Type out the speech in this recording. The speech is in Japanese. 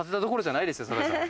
坂井さん